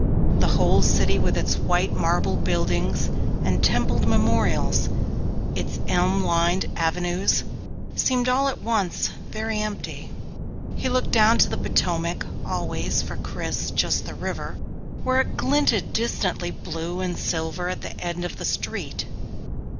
The whole city with its white marble buildings and templed memorials, its elm lined avenues, seemed all at once very empty. He looked down to the Potomac, always, for Chris, just "the river," where it glinted distantly blue and silver at the end of the street.